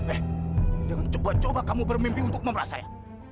eh jangan coba coba kamu bermimpi untuk memeras saya